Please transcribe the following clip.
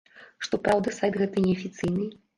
Што праўда, сайт гэты неафіцыйны.